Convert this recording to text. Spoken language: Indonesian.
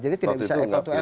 jadi tidak bisa